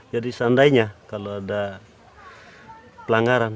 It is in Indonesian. jadi seandainya kalau ada pelanggaran